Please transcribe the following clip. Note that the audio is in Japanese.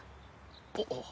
あっ。